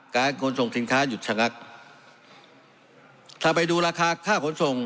การขนส่งสินค้าหยุดชะงักถ้าไปดูราคาค่าขนส่ง